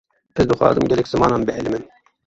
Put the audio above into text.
Ez dixwazim gelek zimanan bielimim.